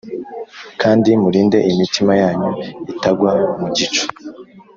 Kandi murinde imitima yanyu itagwa mu gico